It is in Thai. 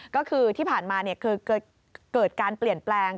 ก็คือที่ผ่านมาคือเกิดการเปลี่ยนแปลง